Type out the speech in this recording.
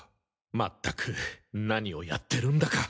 まったく何をやってるんだか。